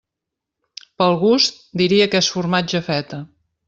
Pel gust, diria que és formatge feta.